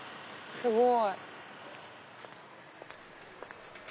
すごい！